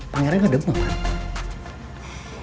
pangeran gak demam kan